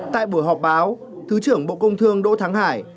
tại buổi họp báo thứ trưởng bộ công thương đỗ thắng hải